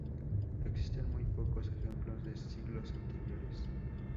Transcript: Existen muy pocos ejemplos de siglos anteriores.